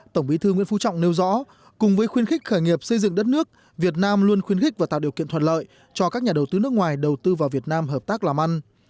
tổng bí thư nguyễn phú trọng nêu rõ cùng với khuyên khích khởi nghiệp xây dựng đất nước việt nam luôn khuyến khích và tạo điều kiện thuận lợi cho các nhà đầu tư nước ngoài đầu tư vào việt nam hợp tác làm ăn